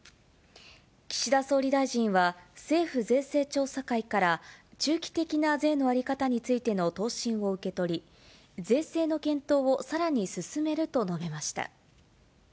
岸田総理大臣は、政府税制調査会から中期的な税の在り方についての答申を受け取り、税制の検討をさらに進めると述べました。